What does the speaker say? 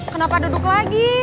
kenapa duduk lagi